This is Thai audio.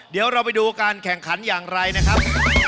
เดี๋ยวเราไปดูการแข่งขันอย่างไรนะครับ